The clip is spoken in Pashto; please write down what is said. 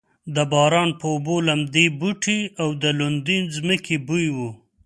د باران په اوبو لمدې بوټې او د لوندې ځمکې بوی و.